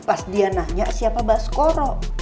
pas dia nanya siapa mbak skoro